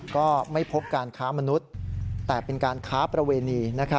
ก็ไม่พบการค้ามนุษย์แต่เป็นการค้าประเวณี